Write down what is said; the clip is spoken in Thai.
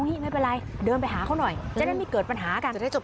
ให้ไปหา